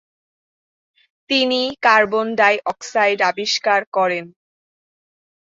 তিনি carbon dioxide আবিষ্কার করেন।